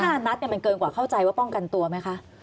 นัดมันเกินกว่าเข้าใจว่าป้องกันตัวไหมคะ